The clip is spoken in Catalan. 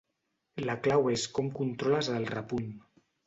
La clau és com controles el repunt.